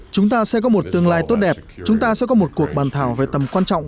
chúng ta sẽ có một tương lai tốt đẹp chúng ta sẽ có một cuộc bàn thảo về tầm quan trọng